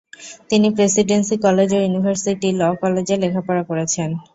তিনি Presidency college ও university law কলেজে লেখাপড়া করেছেন।